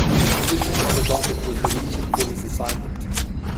The condition of the docket was the reason for his assignment.